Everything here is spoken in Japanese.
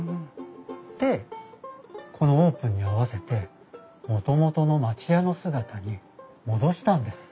でこのオープンに合わせてもともとの町家の姿に戻したんです。